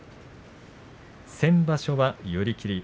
先場所は寄り切り。